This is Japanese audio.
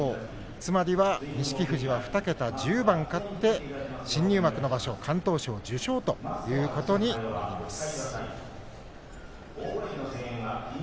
つまり錦富士は２桁１０番勝って新入幕の場所、敢闘賞受賞ということになります。